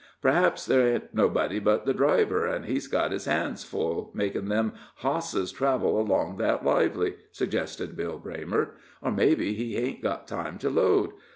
"P'r'aps ther ain't nobody but the driver, an' he's got his hands full, makin' them hosses travel along that lively," suggested Bill Braymer. "Or mebbe he hain't got time to load.